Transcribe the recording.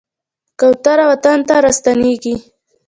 کوتره وطن ته راستنېږي.